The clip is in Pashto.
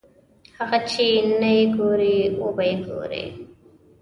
هغه چې نه یې ګورې وبه یې ګورې.